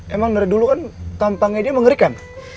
emang dari dulu kan tampangnya dia mengerikan